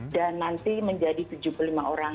dan nanti menjadi tujuh puluh lima orang